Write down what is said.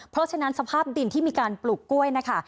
เพราะฉะนั้นสภาพดินที่มีการปลูกกล้วยนะคะ